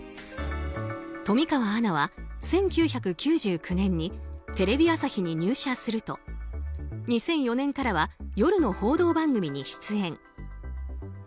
富川アナは１９９９年にテレビ朝日に入社すると２００４年からは夜の報道番組に出演。